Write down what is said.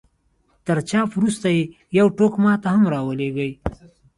تر چاپ وروسته يې يو ټوک ما ته هم را ولېږئ.